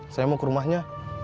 saya mau ke rumahnya